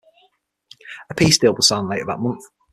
A peace deal was signed later that month.